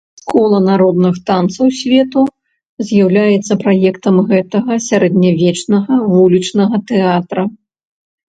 Школа народных танцаў свету з'яўляецца праектам гэтага сярэднявечнага вулічнага тэатра.